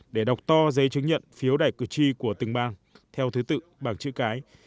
để đọc to giấy chứng nhận phiếu đại cử tri của từng bang theo thứ tự bằng chữ cái